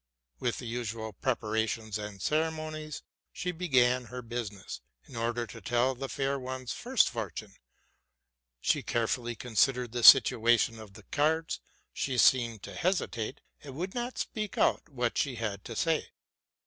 With the usual preparations and ceremonies she began her business, in order to tell the fair one's fortune first. She carefully considered the situation of the cards, but seemed to hesitate, and would not speak out what she had to say.